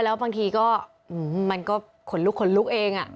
แล้วบางทีก็มันก็ขนลุกขนลุกเอง